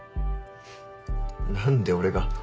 何で俺が？